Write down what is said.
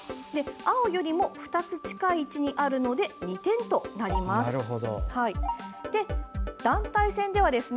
青よりも２つ近い位置にあるので２点となります。